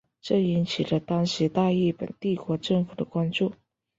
这引起了当时大日本帝国政府的关注。